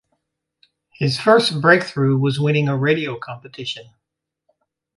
His first breakthrough was winning a radio competition.